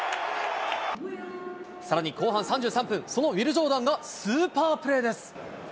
さらに後半３３分、そのウィル・ジョーダンがスーパープレーです。